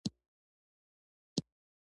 خو زما ګناه، زما پوهه او خبرتيا ده.